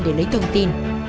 để lấy thông tin